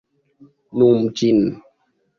Nomu ĝin.